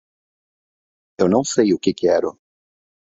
Eu não sei o que quero.